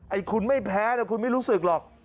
ไอ้คุณไม่แพ้คุณไม่รู้สึกหรอก